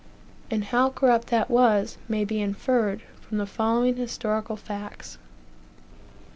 And how corrupt that was, may be inferred from the following historical facts.